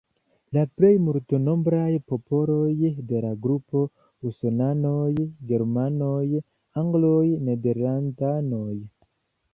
La plej multnombraj popoloj de la grupo: Usonanoj, Germanoj, Angloj, Nederlandanoj.